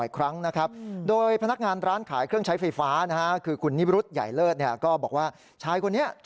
โยนใจก็มี